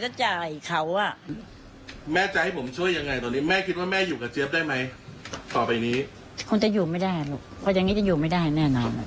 ก็จะอยู่ไม่ได้ลูกวันนี้จะอยู่ไม่ได้แน่นอน